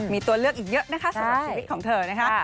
มีตัวเลือกอีกเยอะนะคะสำหรับชีวิตของเธอนะคะ